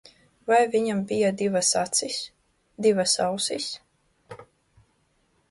Vai viņam bija divas acis, divas ausis?